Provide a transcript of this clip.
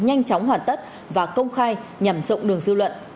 nhanh chóng hoàn tất và công khai nhằm rộng đường dư luận